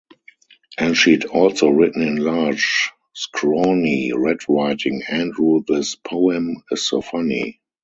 And she'd also written in large, scrawny red writing, Andrew-this poem is so funny.